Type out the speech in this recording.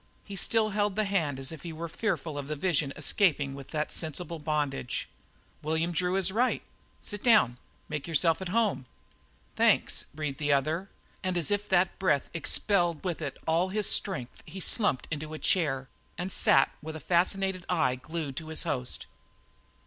He still held the hand as if he were fearful of the vision escaping without that sensible bondage. "William Drew is right. Sit down. Make yourself to home." "Thanks!" breathed the other and as if that breath expelled with it all his strength he slumped into a chair and sat with a fascinated eye glued to his host.